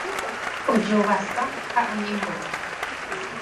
ojovasa ha oñembo'e